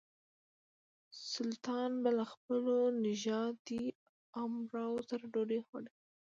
سلطان به له خپلو نژدې امراوو سره ډوډۍ خوړه.